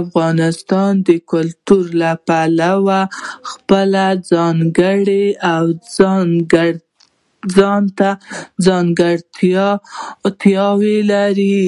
افغانستان د کلتور له پلوه خپله ځانګړې او ځانته ځانګړتیاوې لري.